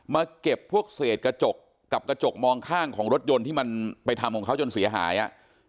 เก็บพวกเศษกระจกกับกระจกมองข้างของรถยนต์ที่มันไปทำของเขาจนเสียหายอ่ะ